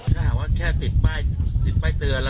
ถ้าว่าแค่ติดใบเตือนแล้วก็พูดเตือนเปล่า